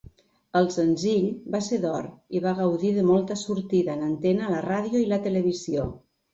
El senzill va ser d'or i va gaudir de molta sortida en antena a la ràdio i la televisió.